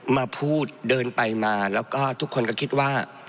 มาพูดเดินไปมาแล้วก็ทุกคนก็คิดว่า